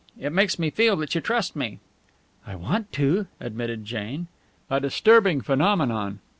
"It makes me feel that you trust me." "I want to," admitted Jane. A disturbing phenomenon.